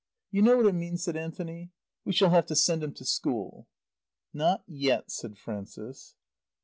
"You know what it means?" said Anthony. "We shall have to send him to school." "Not yet," said Frances.